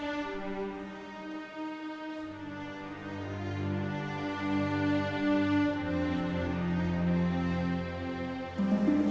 kita harus mencari penyelesaian yang bisa diperoleh